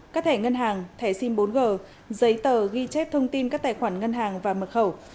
các thẻ ngân hàng thẻ sim bốn g giấy tờ ghi chép thông tin các tài khoản ngân hàng và mật khẩu